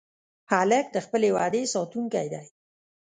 هلک د خپلې وعدې ساتونکی دی.